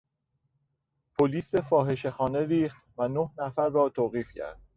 پلیس به فاحشه خانه ریخت و نه نفر را توقیف کرد.